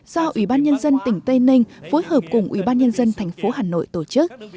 do ủy ban nhân dân tỉnh tây ninh phối hợp cùng ủy ban nhân dân thành phố hà nội tổ chức